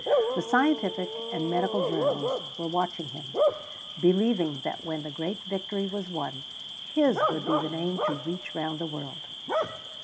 The scientific and medical journals were watching him, believing that when the great victory was won, his would be the name to reach round the world.